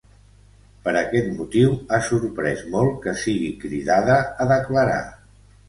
Per aquest motiu ha sorprès molt que sigui cridada a declarar.